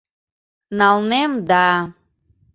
— Налнем да...